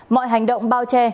mọi hành động bao che